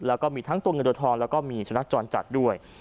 แล้วก็มีทั้งตัวเงินตัวทองแล้วก็มีสุนัขจรจัดด้วย